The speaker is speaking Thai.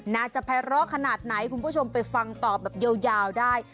น่าจะภัยร้อขนาดไหนคุณผู้ชมไปฟังตอบแบบยาวได้